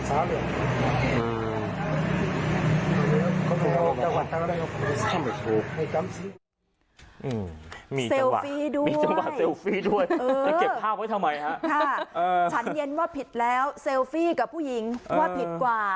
ฉันเย็นว่าผิดแล้วเซลฟี่กับผู้หญิงว่าผิดกว่า